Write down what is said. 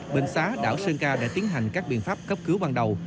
bệnh xã đảo sơn ca đã tiến hành các biện pháp cấp cứu ban đầu